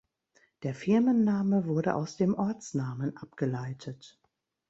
Der Firmenname wurde aus dem Ortsnamen abgeleitet.